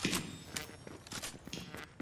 مصنوعي ځیرکتیا د فلسفې معاصر بحث پیاوړی کوي.